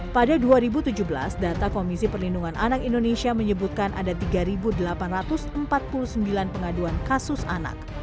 pada dua ribu tujuh belas data komisi perlindungan anak indonesia menyebutkan ada tiga delapan ratus empat puluh sembilan pengaduan kasus anak